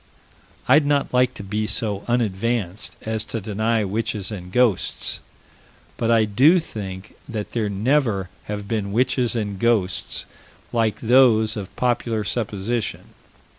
I'd not like to be so unadvanced as to deny witches and ghosts, but I do think that there never have been witches and ghosts like those of popular supposition.